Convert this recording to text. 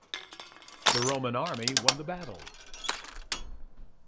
The Roman army won the battle.